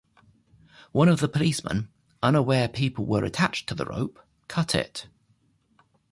One of the policemen, unaware people were attached to the rope, cut it.